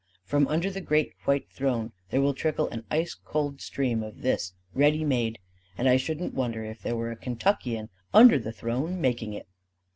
From under the great white throne there will trickle an ice cold stream of this, ready made and I shouldn't wonder if there were a Kentuckian under the throne making it.